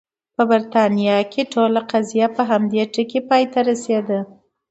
په برېټانیا کې ټوله قضیه په همدې ټکي پای ته رسېده.